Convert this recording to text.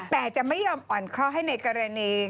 แต่จะไม่ยอมอ่อนเคราะห์ให้ในกรณี